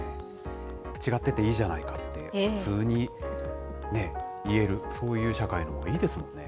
違ってていいじゃないかって、普通に、ね、言える、そういう社会のほうがいいですもんね。